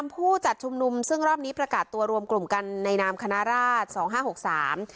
ผู้จัดชุมนุมซึ่งรอบนี้ประกาศตัวรวมกลุ่มกันในนามคณะราชสองห้าหกสาม